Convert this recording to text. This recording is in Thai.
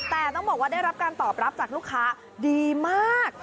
แต่ต้องบอกว่าได้รับการตอบรับจากลูกค้าดีมาก